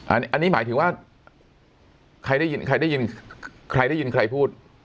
อันนี้หมายถึงว่าใครได้ยินใครพูด